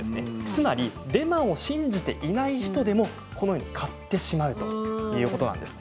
つまりデマを信じていない人でもこのように買ってしまうということなんです。